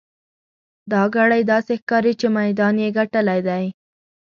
دا ګړی داسې ښکاري چې میدان یې ګټلی دی.